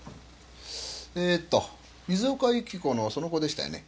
えーっと水岡由紀子のその後でしたよね？